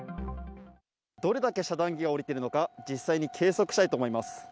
どれだけ遮断機が下りているのか、実際に計測したいと思います。